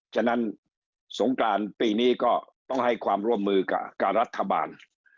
ฉะนั้นสงกรานปีนี้ก็ต้องให้ความร่วมมือกับรัฐบาล